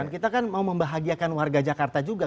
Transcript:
kita kan mau membahagiakan warga jakarta juga